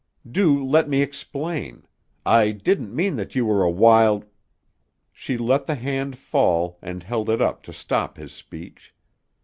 Do let me explain. I didn't mean that you were a wild " She let the hand fall and held it up to stop his speech.